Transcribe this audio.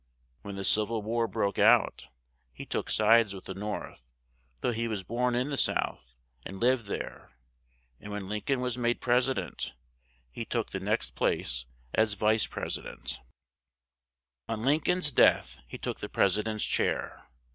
When the Civ il War broke out, he took sides with the North, though he was born in the South and lived there; and when Lin coln was made pres i dent he took the next place as vice pres i dent. [Illustration: ANDREW JOHNSON.] On Lin coln's death, he took the pres i dent's chair.